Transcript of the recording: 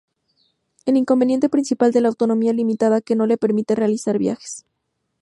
El inconveniente principal es la autonomía limitada que no le permite realizar viajes.